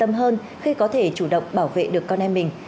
cảm thấy yên tâm hơn khi có thể chủ động bảo vệ được con em mình